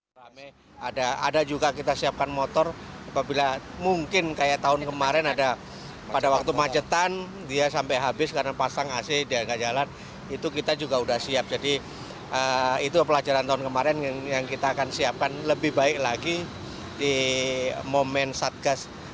bbm diperlakukan di sebelas titik ruas tol cipali cipularang dan cipularang